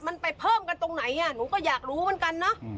มันไปเพิ่มกันตรงไหนหนูก็อยากรู้เหมือนกันนะ